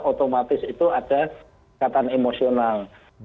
otomatis itu ada kataan emosional